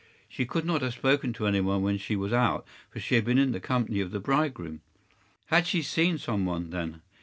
She could not have spoken to any one when she was out, for she had been in the company of the bridegroom. Had she seen some one, then?